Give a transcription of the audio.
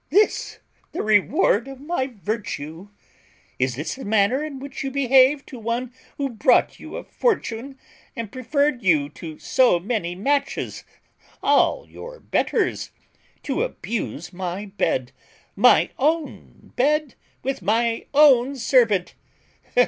This the reward of my virtue? Is this the manner in which you behave to one who brought you a fortune, and preferred you to so many matches, all your betters? To abuse my bed, my own bed, with my own servant!